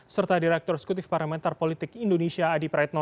serta direktur eksekutif parameter politik indonesia adi praetno